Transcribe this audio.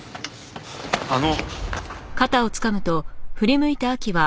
あの。